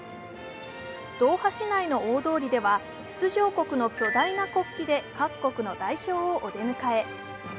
ドーハ市内の大通りでは出場国の巨大な国旗で各国の代表をお出迎え。